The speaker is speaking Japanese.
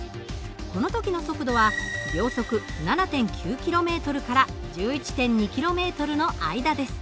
この時の速度は秒速７．９ｋｍから１１．２ｋｍの間です。